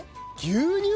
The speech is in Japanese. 牛乳。